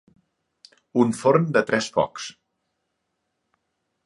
Un forn de tres focs.